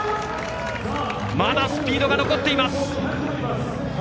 まだスピードが残っています。